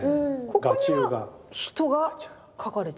ここには人が描かれている。